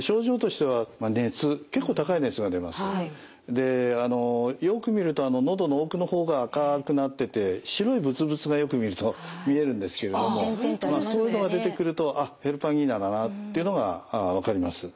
でよく見るとのどの奥の方が赤くなってて白いブツブツがよく見ると見えるんですけれどもそういうのが出てくるとあっヘルパンギーナだなっていうのが分かります。